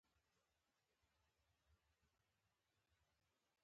په افغانستان کې د ښارونو تاریخ ډېر اوږد دی.